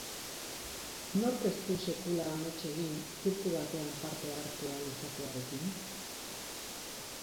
Nork ez du sekula amets egin zirku batean parte hartu ahal izatearekin?